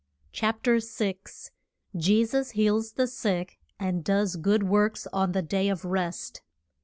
CHAPTER VI. JESUS HEALS THE SICK, AND DOES GOOD WORKS ON THE DAY OF REST.